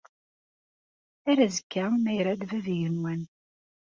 Ar azekka, ma irad Bab n yigenwan.